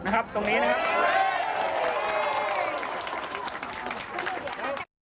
ตรงนี้นะครับ